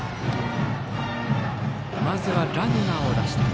まずはランナーを出して。